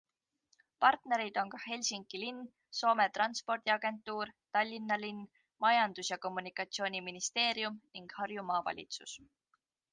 Partnerid on ka Helsingi linn, Soome Transpordiagentuur, Tallinna linn, Majandus- ja Kommunikatsiooniministeerium ning Harju Maavalitsus.